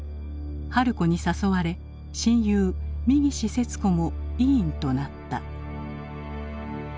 春子に誘われ親友三岸節子も委員となった。